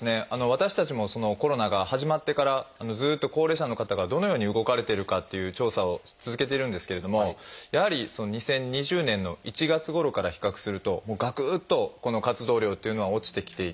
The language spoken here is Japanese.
私たちもコロナが始まってからずっと高齢者の方がどのように動かれてるかっていう調査を続けてるんですけれどもやはり２０２０年の１月ごろから比較するともうがくっとこの活動量っていうのは落ちてきていて。